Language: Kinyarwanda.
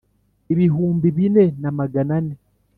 Ibihumbi bine na magana ane .